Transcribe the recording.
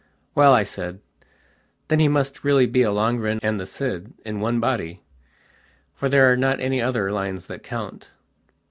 "Well," I said, "then he must really be Lohengrin and the Cid in one body. For there are not any other lines that count."